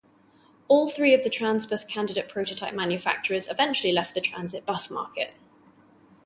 All three of the Transbus candidate prototype manufacturers eventually left the transit bus market.